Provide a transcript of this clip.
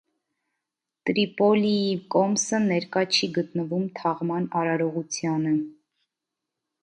Տրիպոլիի կոմսը ներկա չի գտնվում թաղման արարողությանը։